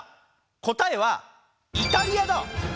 答えは「イタリア」だ！